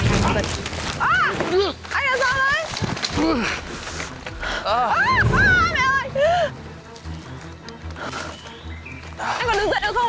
anh có đứng dậy được không